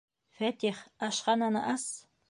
Фәтих, ашхананы ас!